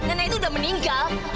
nenek itu udah meninggal